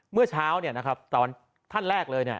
เมื่อเช้าท่านแรกเลย